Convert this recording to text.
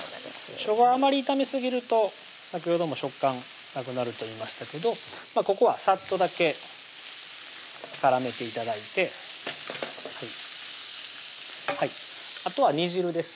しょうがはあまり炒めすぎると先ほども食感なくなると言いましたけどここはさっとだけ絡めて頂いてあとは煮汁です